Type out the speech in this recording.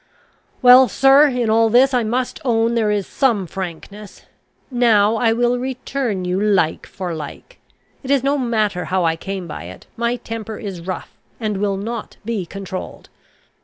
"Well, sir, in all this I must own there is some frankness. Now I will return you like for like. It is no matter how I came by it, my temper is rough, and will not be controlled.